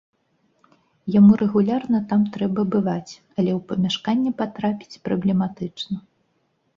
Яму рэгулярна там трэба бываць, але ў памяшканне патрапіць праблематычна.